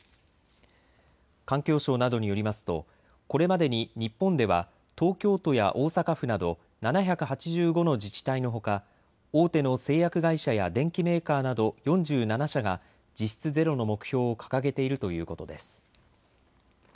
環境省などによりますとこれまでに日本では東京都や大阪府など７８５の自治体のほか、大手の製薬会社や電機メーカーなど４７社が実質ゼロの目標を掲げているということです。